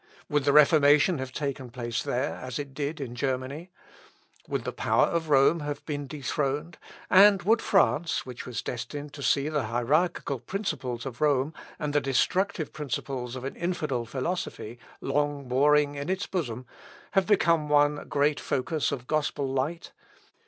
Would the Reformation have taken place there as it did in Germany? Would the power of Rome have been dethroned; and would France, which was destined to see the hierarchical principles of Rome, and the destructive principles of an infidel philosophy, long warring in its bosom, have become one great focus of gospel light?